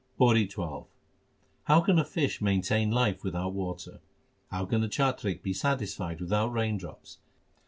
PAURI XII How can a fish maintain life without water ? How can the chatrik be satisfied without raindrops ?